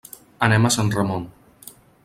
Anem a Sant Ramon.